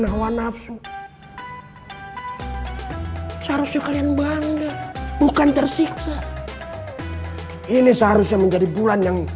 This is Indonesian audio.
hawa nafsu seharusnya kalian bangga bukan tersiksa ini seharusnya menjadi bulan yang